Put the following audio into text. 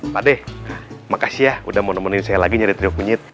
pak deh makasih ya udah menemani saya lagi nyari teriak kunyit